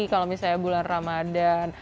kalau misalnya bulan ramadhan